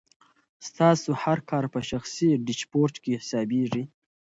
ستاسو هر کار په شخصي ډیشبورډ کې حسابېږي.